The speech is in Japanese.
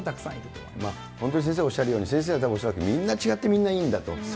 本当に先生がおっしゃるように、先生はたぶん恐らく、みんな違ってみんないいんだと。